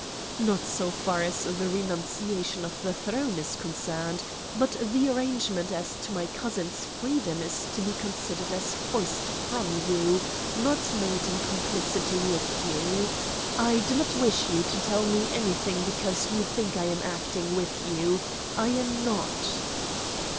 "Not so far as the renunciation of the throne is concerned; but the arrangement as to my cousin's freedom is to be considered as forced from you, not made in complicity with you. I do not wish you to tell me anything because you think I am acting with you. I am not."